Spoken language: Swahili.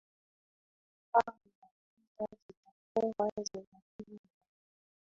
aa ya kwanza zitakuwa zinapigwa